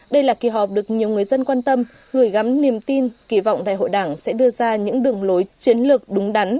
đây là kỳ họp được nhiều người dân quan tâm gửi gắm niềm tin kỳ vọng đại hội đảng sẽ đưa ra những đường lối chiến lược đúng đắn